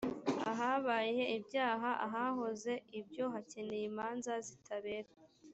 ahabaye ibyaha ahahoze ibyo hakeneye imanza zitabera